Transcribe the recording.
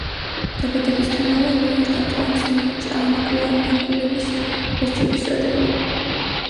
დაბადებისთანავე ლუი ანტუანს მიენიჭა ანგულემის ჰერცოგის წოდება.